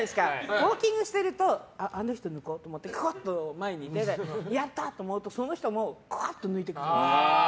ウォーキングしてるとあの人抜こうと思って、前に出てやったと思うとその人も抜いてくるの。